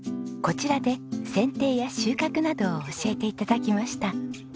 こちらで剪定や収穫などを教えて頂きました。